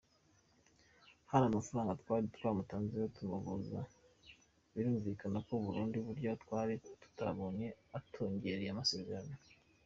Hari amafaranga twari twamutanzeho tumuvuza, birumvikana nta bundi buryo twari kuyabona atongereye amasezerano.